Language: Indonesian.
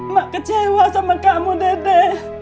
mak kecewa sama kamu dede